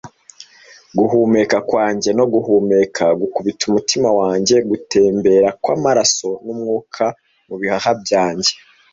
Guhumeka kwanjye no guhumeka, gukubita umutima wanjye, gutembera kw'amaraso n'umwuka mu bihaha byanjye,